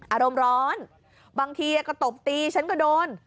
อารมณ์ร้อนบางทีก็ตบตีฉันก็โดน